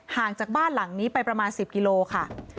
จากบ้านหลังนี้ไปประมาณ๑๐กิโลค่ะ